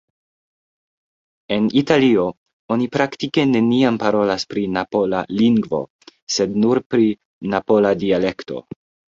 En Italio, oni praktike neniam parolas pri napola "lingvo", sed nur pri napola "dialekto".